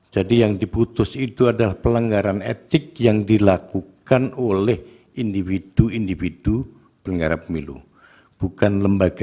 jadi yang diputus itu adalah pelenggaran etik yang dilakukan oleh individu individu penyelenggara pemilu bukan lembaganya